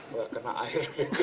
gak kena air